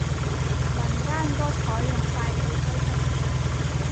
民間多採用快脆規則